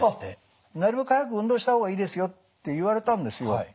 なるべく早く運動した方がいいですよって言われたんですよ。